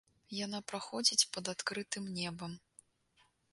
Яна праходзіць пад адкрытым небам.